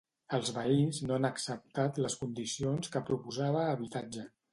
Els veïns no han acceptat les condicions que proposava Habitatge.